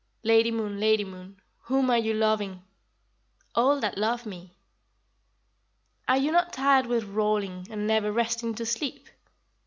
Lady Moon, Lady Moon, whom are you loving? All that love me. Are you not tired with rolling, and never Resting to sleep?